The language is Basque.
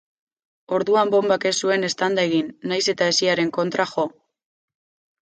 Orduan bonbak ez zuen eztanda egin, nahiz eta hesiaren kontra jo.